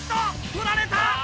取られた！